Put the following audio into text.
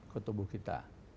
ke tubuh kita